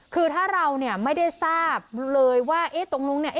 คือถ้าเราเนี่ยไม่ได้ทราบเลยว่าเอ๊ะตรงนู้นเนี่ย